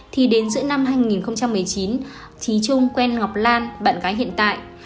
thì đến giữa năm hai nghìn một mươi chín trí trung quen ngọc lan bạn gái hiện tại